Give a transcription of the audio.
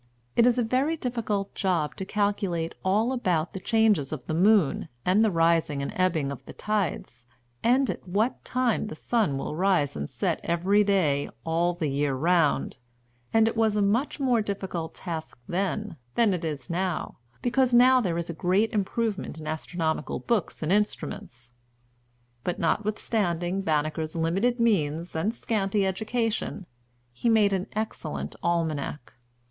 It is a very difficult job to calculate all about the changes of the moon, and the rising and ebbing of the tides, and at what time the sun will rise and set every day, all the year round; and it was a much more difficult task then than it is now; because now there is a great improvement in astronomical books and instruments. But notwithstanding Banneker's limited means and scanty education, he made an excellent Almanac.